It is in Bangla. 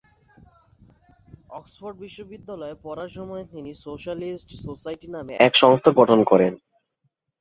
অক্সফোর্ড বিশ্ববিদ্যালয়ে পড়ার সময়ই তিনি সোশ্যালিস্ট সোসাইটি নামে এক সংস্থা গঠন করেন।